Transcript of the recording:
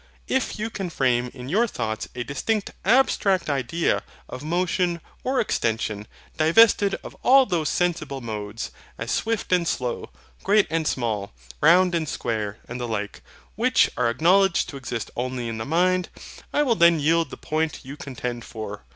If you can frame in your thoughts a distinct ABSTRACT IDEA of motion or extension, divested of all those sensible modes, as swift and slow, great and small, round and square, and the like, which are acknowledged to exist only in the mind, I will then yield the point you contend for.